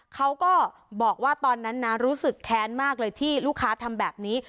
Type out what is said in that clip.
เขาก็บอกว่าตอนนั้นนะรู้สึกแค้นมากเลยที่ลูกค้าทำแบบนี้